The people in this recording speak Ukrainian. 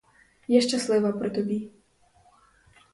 Я щаслива при тобі.